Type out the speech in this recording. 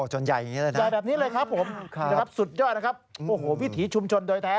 จนใหญ่อย่างนี้เลยนะครับสุดยอดนะครับวิธีชุมชนโดยแท้